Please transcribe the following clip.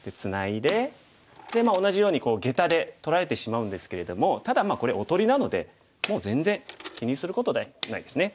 で同じようにゲタで取られてしまうんですけれどもただこれおとりなのでもう全然気にすることないですね。